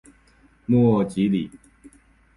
莫济里。